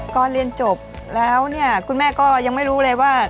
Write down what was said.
ก่อนเรียนจบแล้วคุณแม่ก็ยังไม่รู้เลยว่า